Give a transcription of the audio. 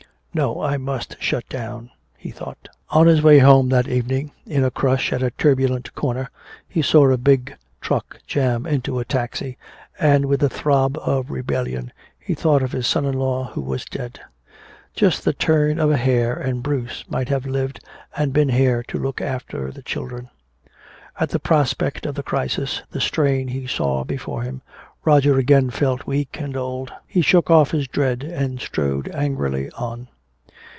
"No, I must shut down," he thought. On his way home that evening, in a crush at a turbulent corner he saw a big truck jam into a taxi, and with a throb of rebellion he thought of his son in law who was dead. Just the turn of a hair and Bruce might have lived and been here to look after the children! At the prospect of the crisis, the strain he saw before him, Roger again felt weak and old. He shook off his dread and strode angrily on.